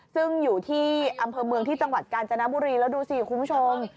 ซึ่งอยู่ที่อำเภอเมืองที่จังหวัดกาญจนบุรีแล้วดูสิคุณผู้ชม